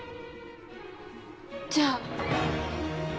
じゃあ。